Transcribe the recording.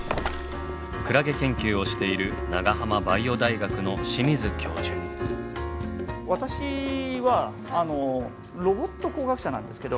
クラゲ研究をしている私はロボット工学者なんですけど。